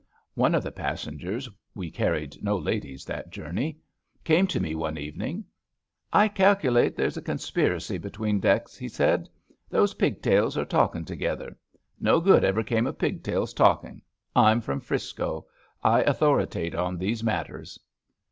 One of the passengers — ^we carried no ladies that journey— came to me one evening. * I calculate there's a conspiracy 'tween decks/ he said. * Those pigtails are talk ing together. No good ever came of pigtails talk ing. I'm from 'Frisco. I authoritate on these matters.'